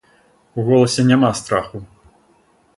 У голасе няма страху.